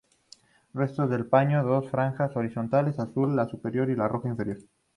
Resto del paño: dos franjas horizontales, azul la superior y roja la inferior.